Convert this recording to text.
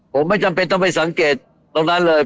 ผมไม่จำเป็นต้องไปสังเกตตรงนั้นเลย